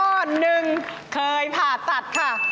หนึ่งเคยผ่าตัดค่ะ